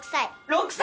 ６歳！